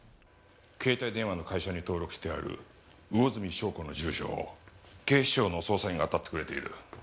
携帯電話の会社に登録してある魚住笙子の住所を警視庁の捜査員があたってくれている。